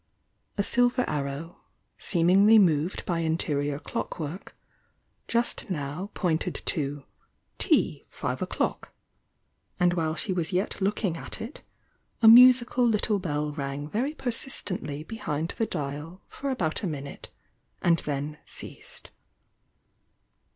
A silver arrow, seemingly moved by interior clockwork, just now pointed to "Tea, five o'clock," and while she was yet looking at it, a musical little bell rang very persistently be hind the dial for about a minute, and then ceased.